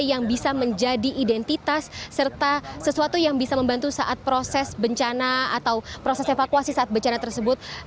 yang bisa menjadi identitas serta sesuatu yang bisa membantu saat proses bencana atau proses evakuasi saat bencana tersebut